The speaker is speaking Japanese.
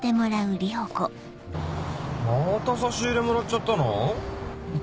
・また差し入れもらっちゃったの？